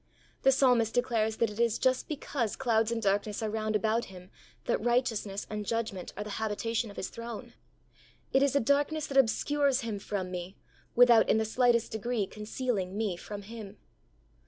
The psalmist declares that it is just because clouds and darkness are round about Him that righteousness and judgement are the habitation of His throne. It is a darkness that obscures Him from me without in the slightest degree concealing me from Him.